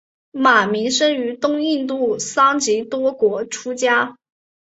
马鸣生于东印度的桑岐多国出家。